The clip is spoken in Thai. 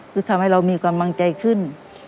คือทำให้เรามีกำลังใจขึ้น